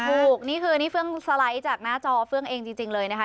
ถูกนี่คือนี่เฟื่องสไลด์จากหน้าจอเฟื่องเองจริงเลยนะคะ